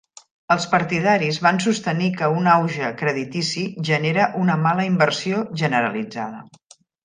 Els partidaris van sostenir que un auge creditici genera una mala inversió generalitzada.